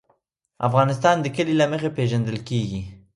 افغانستان د کلي له مخې پېژندل کېږي.